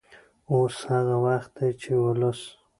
اوس هغه وخت دی چې ولس